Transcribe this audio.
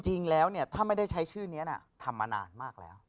จริงแล้วถ้าไม่ได้ใช้ชื่อนี้ทำมานานมากแล้ว